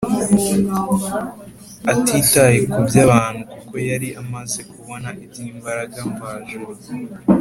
, atitaye kuby’abantu kuko yari amaze kubona iby’imbaraga mvajuru